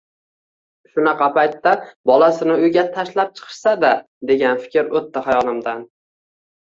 Shunaqa paytda bolasini uyga tashlab chiqishsa-da, degan fikr o`tdi xayolimdan